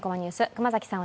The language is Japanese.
熊崎さん